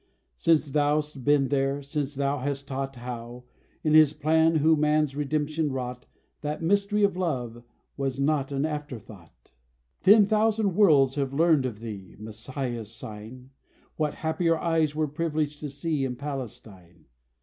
Since thou'st been there; since thou hast taught How, in His plan, who man's redemption wrought, That mystery of love was not an afterthought. Ten thousand worlds have learned of thee (Messiah's sign), What happier eyes were privileged to see In Palestine.